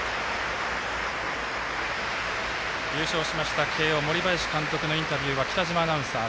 優勝しました森林監督のインタビューは北嶋アナウンサー。